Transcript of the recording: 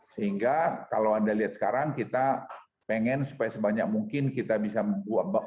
sehingga kalau anda lihat sekarang kita pengen supaya sebanyak mungkin kita bisa membuat